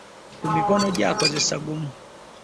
Ku mikono gye akozesaako gumu.